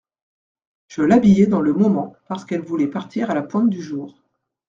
Je l'habillais dans le moment, parce qu'elle voulait partir à la pointe du jour.